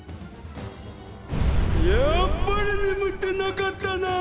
やっぱりねむってなかったな！